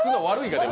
悪い！